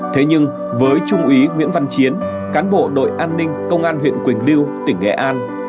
thế nhưng với trung úy nguyễn văn chiến cán bộ đội an ninh công an huyện quỳnh lưu tỉnh nghệ an